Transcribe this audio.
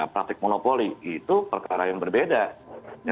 praktik monopoli itu perkara yang berbeda